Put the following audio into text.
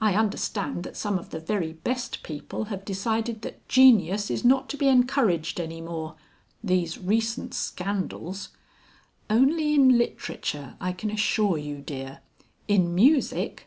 I understand that some of the very best people have decided that genius is not to be encouraged any more. These recent scandals...." "Only in literature, I can assure you, dear. In music...."